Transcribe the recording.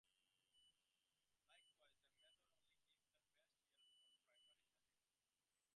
Likewise, this method only gives the best yields for primary halides.